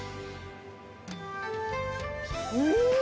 うん！